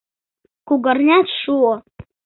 Кугарнят шуо.